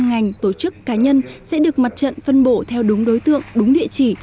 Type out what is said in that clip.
ngành tổ chức cá nhân sẽ được mặt trận phân bổ theo đúng đối tượng đúng địa chỉ